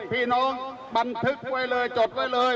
พี่น้องบันทึกไว้เลยจบไว้เลย